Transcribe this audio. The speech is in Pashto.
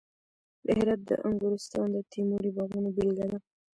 د هرات د انګورستان د تیموري باغونو بېلګه ده